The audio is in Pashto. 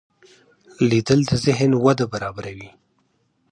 لیدل د ذهن وده برابروي